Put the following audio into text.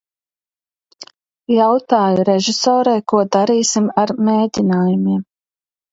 Jautāju režisorei, ko darīsim ar mēģinājumiem.